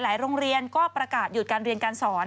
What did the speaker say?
โรงเรียนก็ประกาศหยุดการเรียนการสอน